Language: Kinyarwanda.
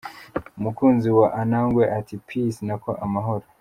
Umukunzi wa Anangwe ati ’Peace’ nako amahoro .